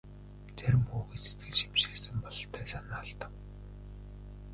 Зарим хүүхэд сэтгэл шимширсэн бололтой санаа алдав.